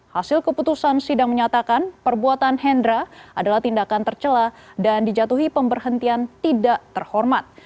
hasil keputusan sidang menyatakan perbuatan hendra adalah tindakan tercela dan dijatuhi pemberhentian tidak terhormat